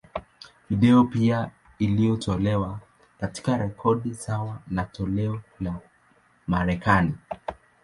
Video pia iliyotolewa, katika rekodi sawa na toleo la Marekani.